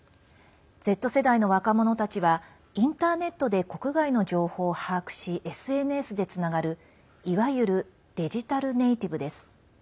Ｚ世代の若者たちはインターネットで国外の情報を把握しＳＮＳでつながるいわゆるデジタルネイティブです。